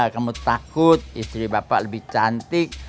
kamu takut istri bapak lebih cantik